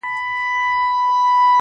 لا به په تا پسي توېږي اوښکي~